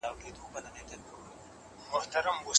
کوم هیواد غواړي ګمرکي خدمتونه نور هم پراخ کړي؟